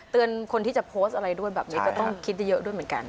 คนที่จะโพสต์อะไรด้วยแบบนี้ก็ต้องคิดเยอะด้วยเหมือนกัน